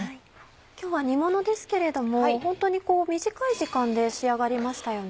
今日は煮ものですけれどもホントに短い時間で仕上がりましたよね。